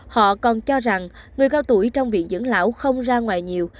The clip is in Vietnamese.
họ còn cho rằng người cao tuổi trong viện dẫn lão không ra ngoài nhiều